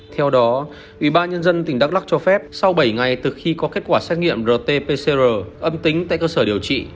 theo đó ủy ban nhân dân tỉnh đắk lắc cho phép sau bảy ngày từ khi có kết quả xét nghiệm rt pcr âm tính tại cơ sở điều trị